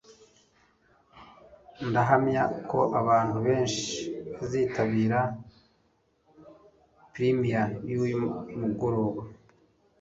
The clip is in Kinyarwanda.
Ndahamya ko abantu benshi bazitabira premiere yuyu mugoroba.